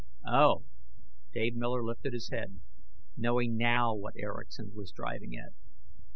"Oh!" Dave Miller lifted his head, knowing now what Erickson was driving at.